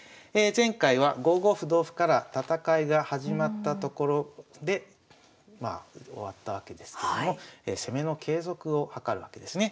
前回は５五歩同歩から戦いが始まったところでまあ終わったわけですけれども攻めの継続を図るわけですね。